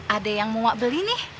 ada yang mau gak beli nih